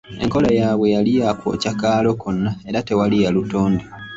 Enkola yaabwe yali ya kwokya kaalo konna era tewali ya lutonda.